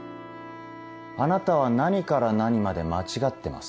あなたは何から何まで間違ってます。